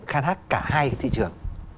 khai thác cả hai cái thị trường